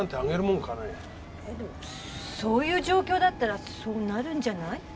でもそういう状況だったらそうなるんじゃない？